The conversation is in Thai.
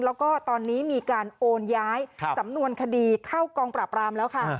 แล้วก็ตอนนี้มีการโอนย้ายสำนวนคดีเข้ากองปราบรามแล้วค่ะ